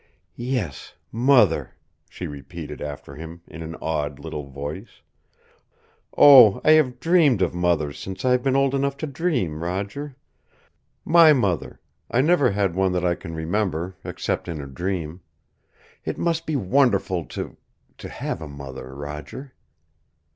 "Yes Mother," she repeated after him in an awed little voice. "Oh, I have dreamed of Mothers since I have been old enough to dream, Roger! My Mother I never had one that I can remember, except in a dream. It must be wonderful to to have a Mother, Roger."